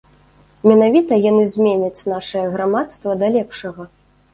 Менавіта яны зменяць нашае грамадства да лепшага.